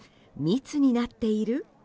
密になっている？